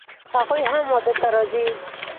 هغوی هم واده ته راځي